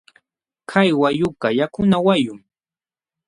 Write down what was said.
Kay wayqukaq yakuna wayqum.